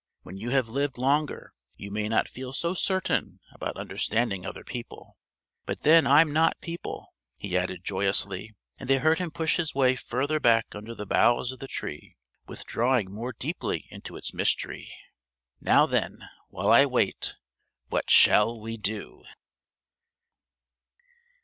When you have lived longer, you may not feel so certain about understanding other people. But then I'm not people," he added joyously, and they heard him push his way further back under the boughs of the Tree withdrawing more deeply into its mystery. "Now then, while I wait, what shall we do?"